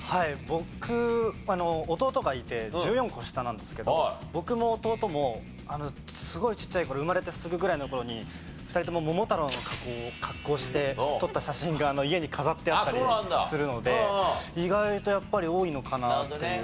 僕弟がいて１４個下なんですけど僕も弟もすごいちっちゃい頃生まれてすぐぐらいの頃に２人とも桃太郎の格好して撮った写真が家に飾ってあったりするので意外とやっぱり多いのかなっていう。